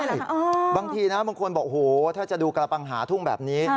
บางทีนะบางคนบอกโอ้โหถ้าจะดูกระปังหาทุ่งแบบนี้